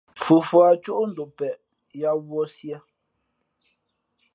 Fufuά cóʼ ndom peʼe , yāā wūᾱ sīē.